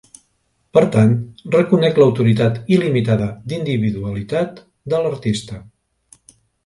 Per tant, reconec l'autoritat il·limitada d'individualitat de l'artista...